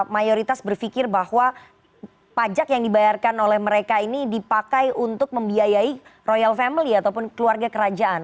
mayoritas berpikir bahwa pajak yang dibayarkan oleh mereka ini dipakai untuk membiayai royal family ataupun keluarga kerajaan